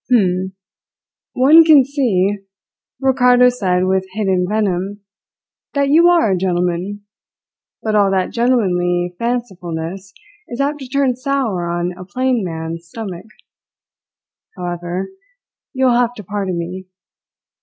"H'm! One can see," Ricardo said with hidden venom, "that you are a gentleman; but all that gentlemanly fancifulness is apt to turn sour on a plain man's stomach. However you'll have to pardon me."